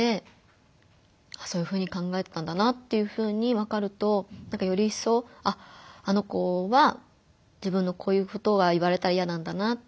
そういうふうに考えてたんだなっていうふうにわかるとよりいっそう「あっあの子は自分のこういうことが言われたら嫌なんだな」っていう。